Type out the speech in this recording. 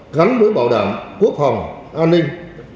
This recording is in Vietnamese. gắn với bảo đảm quốc phòng an ninh